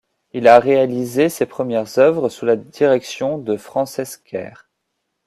Il a réalisé ses premières œuvres sous la direction de Francesc Quer.